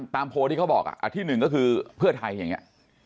โพลที่เขาบอกอันที่หนึ่งก็คือเพื่อไทยอย่างนี้